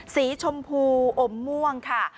สีชมพูอมม่วงค่ะ